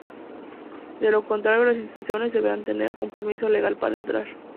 De lo contrario, las instituciones deberán tener, un permiso legal para entrar.